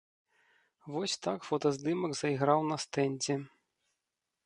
Вось так фотаздымак зайграў на стэндзе.